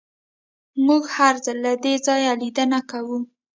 موږ هر ځل له دې ځایه لیدنه کوو